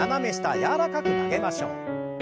柔らかく曲げましょう。